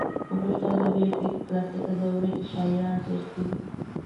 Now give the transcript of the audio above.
په پښتو ادبیاتو کلاسیکه دوره کې شاعران تېر شوي.